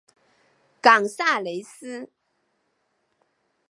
冈萨雷斯。